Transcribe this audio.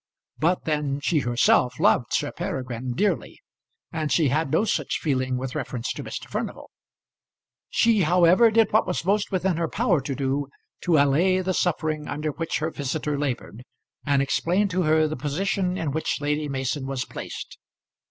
But then she herself loved Sir Peregrine dearly, and she had no such feeling with reference to Mr. Furnival. She however did what was most within her power to do to allay the suffering under which her visitor laboured, and explained to her the position in which Lady Mason was placed.